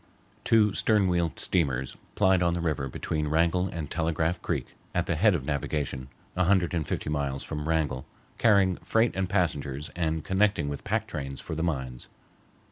Two stern wheel steamers plied on the river between Wrangell and Telegraph Creek at the head of navigation, a hundred and fifty miles from Wrangell, carrying freight and passengers and connecting with pack trains for the mines.